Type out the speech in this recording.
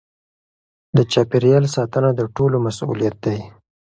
د چاپیریال ساتنه د ټولو مسؤلیت دی.